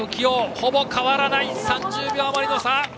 ほぼ変わらない３０秒あまりの差。